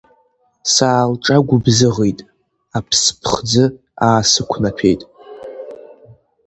Саалҿагәыбзыӷит, аԥсԥхӡы аасықәнаҭәеит.